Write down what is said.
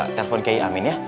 telepon ke i amin ya